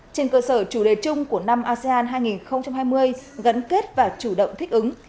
trên cơ sở chủ đề chung của năm asean hai nghìn hai mươi gắn kết và chủ động thích ứng